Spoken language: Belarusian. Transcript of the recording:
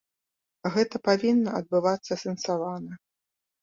Гэта павінна адбывацца асэнсавана.